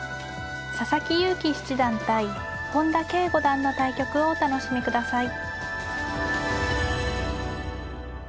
佐々木勇気七段対本田奎五段の対局をお楽しみください。